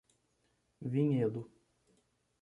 Vinhedo